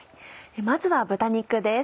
まずは豚肉です。